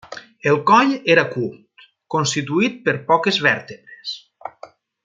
El coll era curt, constituït per poques vèrtebres.